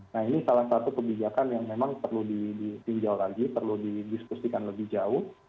nah ini salah satu kebijakan yang memang perlu ditinjau lagi perlu didiskusikan lebih jauh